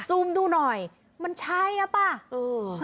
ซูมดูหน่อยมันใช่อ่ะป่ะเออ